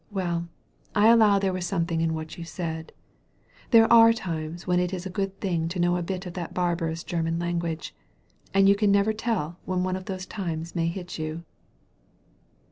Well, I allow there was something in what you said. There are times when it is a good thing to know a bit of that barbarous German language. And you never can tell when one of those times may hit you."